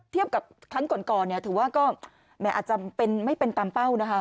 เทียบกับครั้งก่อนเนี่ยถือว่าก็แหมอาจจะไม่เป็นตามเป้านะคะ